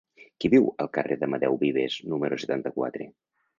Qui viu al carrer d'Amadeu Vives número setanta-quatre?